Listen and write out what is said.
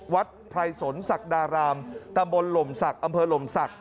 ไพรสนศักดารามตำบลหล่มศักดิ์อำเภอหล่มศักดิ